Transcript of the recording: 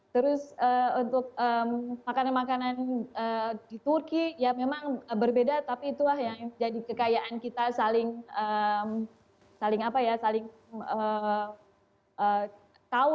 terus untuk makanan makanan di turki ya memang berbeda tapi itulah yang jadi kekayaan kita saling apa ya saling tahu